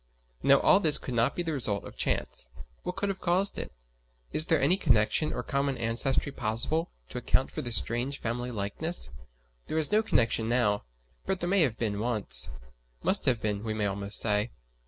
Now all this could not be the result of chance. What could have caused it? Is there any connection or common ancestry possible, to account for this strange family likeness? There is no connection now, but there may have been once. Must have been, we may almost say.